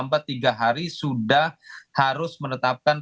pemilihan pemilu presiden dan wakil presiden terpilih